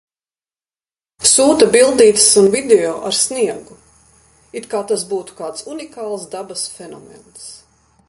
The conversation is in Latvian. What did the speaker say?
Sūta bildītes un video ar sniegu. It kā tas būtu kāds unikāls dabas fenomens.